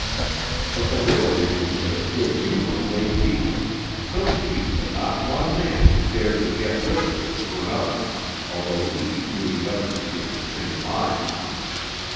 But the real reason for their good humor lay deeper, so deep that not one man had dared as yet whisper it to another, although each knew the other to be of the same mind.